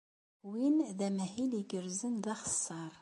Win d amahil igerrzen d axeṣṣar.